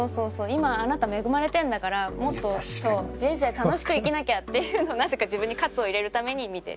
今あなた恵まれてるんだからもっと人生楽しく生きなきゃっていうのをなぜか自分に活を入れるために見てる。